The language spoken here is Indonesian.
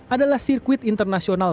adalah sirkuit internasional